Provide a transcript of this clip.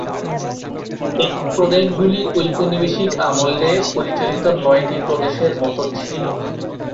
এই প্রদেশগুলি ঔপনিবেশিক আমলে পরিচালিত নয়টি প্রদেশের মতো ছিল।